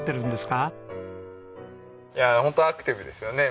いやホントアクティブですよね